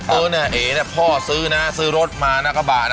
เอ๊ะเนี่ยพ่อซื้อนะซื้อรถมากระบะนะ